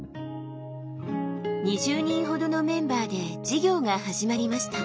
２０人ほどのメンバーで事業が始まりました。